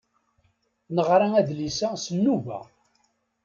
Neɣra adlis-a s nnuba.